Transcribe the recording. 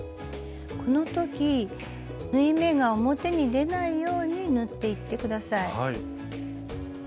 この時縫い目が表に出ないように縫っていって下さい。